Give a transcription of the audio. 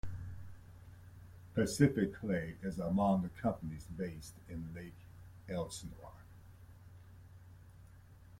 Pacific Clay is among the companies based in Lake Elsinore.